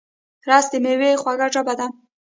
رس د مېوې خوږه ژبه ده